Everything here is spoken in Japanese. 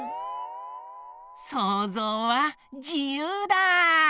そうぞうはじゆうだ！